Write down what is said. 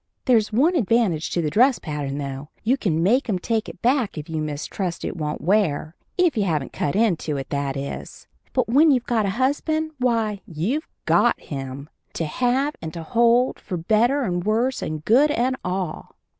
There's one advantage to the dress pattern, though you can make 'em take it back if you mistrust it won't wear if you haven't cut into it, that is but when you've got a husband, why, you've got him, to have and to hold, for better and worse and good and all.